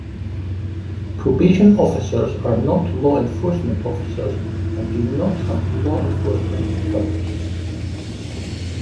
Probation officers are not law enforcement officers and do not have law enforcement powers.